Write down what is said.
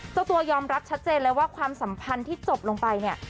เจ้าตัวยอมรับชัดเจนเลยว่าความสัมพันธ์ที่จบลงไปเนี่ย